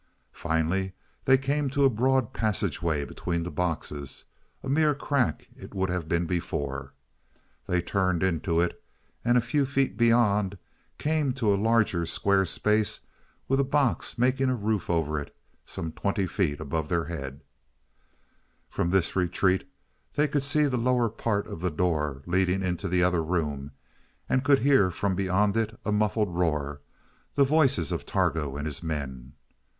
Finally they came to a broad passageway between the boxes a mere crack it would have been before. They turned into it, and, a few feet beyond, came to a larger square space with a box making a roof over it some twenty feet above their heads. From this retreat they could see the lower part of the door leading into the other room and could hear from beyond it a muffled roar the voices of Targo and his men.